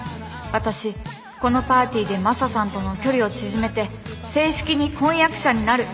私このパーティーでマサさんとの距離を縮めて正式に婚約者になる！